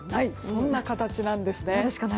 そんな形なんですね。